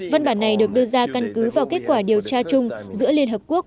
văn bản này được đưa ra căn cứ vào kết quả điều tra chung giữa liên hợp quốc